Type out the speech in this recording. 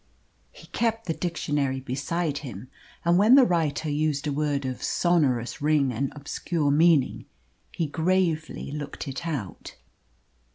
He kept the dictionary beside him, and when the writer used a word of sonorous ring and obscure meaning he gravely looked it out.